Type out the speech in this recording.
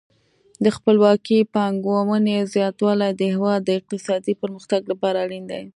د خپلواکې پانګونې زیاتوالی د هیواد د اقتصادي پرمختګ لپاره اړین دی.